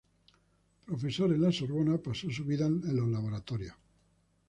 Profesor en la Sorbona, pasó su vida en sus laboratorios.